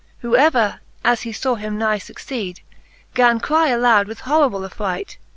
Who, ever as he {aw him nigh fucceed, Gan cry aloud with horrible affright.